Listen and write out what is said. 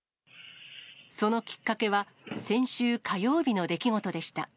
そのきっかけは、先週火曜日の出来事でした。